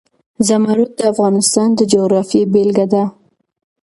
زمرد د افغانستان د جغرافیې بېلګه ده.